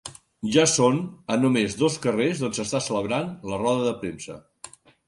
Ja són a només dos carrers d'on s'està celebrant la roda de premsa.